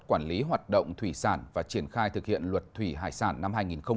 quản lý hoạt động thủy sản và triển khai thực hiện luật thủy hải sản năm hai nghìn một mươi